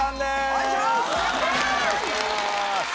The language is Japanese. お願いします。